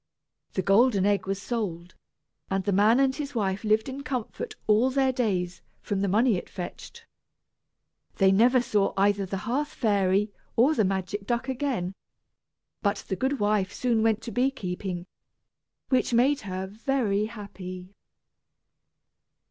The golden egg was sold, and the man and his wife lived in comfort all their days from the money it fetched. They never saw either the hearth fairy or the magic duck again, but the good wife soon went to bee keeping, which made her very happy.